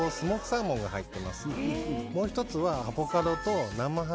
もう１つは。